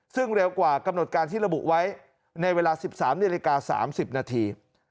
ซึ่งเร็วกว่ากำหนดการที่ระบุไว้ในเวลา๑๓นาฬิกา๓๐นาที